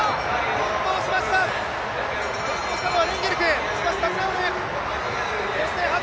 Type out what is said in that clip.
転倒したのはレンゲルク、しかし立ち上がる。